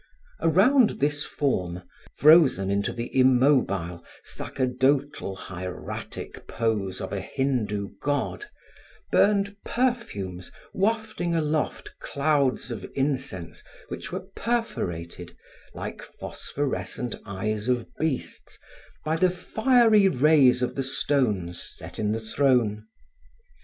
Around this form, frozen into the immobile, sacerdotal, hieratic pose of a Hindoo god, burned perfumes wafting aloft clouds of incense which were perforated, like phosphorescent eyes of beasts, by the fiery rays of the stones set in the throne.